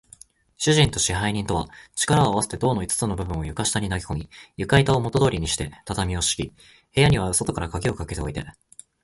主人と支配人とは、力をあわせて塔の五つの部分を床下に投げこみ、床板をもとどおりにして、畳をしき、部屋には外からかぎをかけておいて、